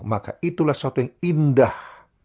maka itulah suatu yang indah